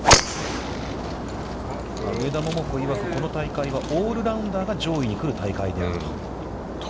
上田桃子いわく、この大会はオールラウンダーが上位に来る大会であると。